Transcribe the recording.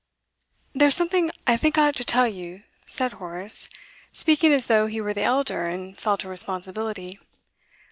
'There's something I think I ought to tell you,' said Horace, speaking as though he were the elder and felt a responsibility.